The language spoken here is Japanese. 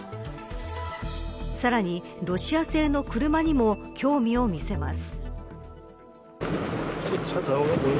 さらに、ロシア製の車にも興味を見せます。